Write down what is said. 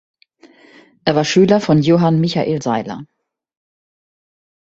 Er war Schüler von Johann Michael Sailer.